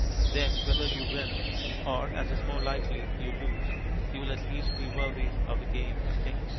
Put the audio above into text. Then whether you win or (as is more likely) you lose, you will at least be worthy of the Game of Kings.